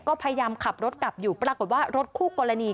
ก็พยายามขับรถกลับอยู่ปรากฏว่ารถคู่กรณี